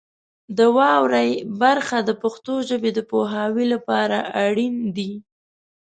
د واورئ برخه د پښتو ژبې د پوهاوي لپاره اړین دی.